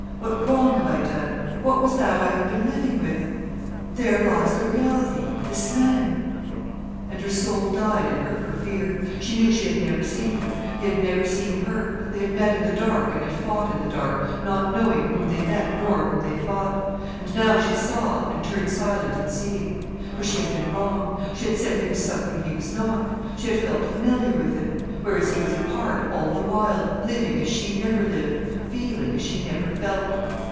What wrong have I done? What was that I have been living with? There lies the reality, this man."—And her soul died in her for fear: she knew she had never seen him, he had never seen her, they had met in the dark and had fought in the dark, not knowing whom they met nor whom they fought. And now she saw, and turned silent in seeing. For she had been wrong. She had said he was something he was not; she had felt familiar with him. Whereas he was apart all the while, living as she never lived, feeling as she never felt.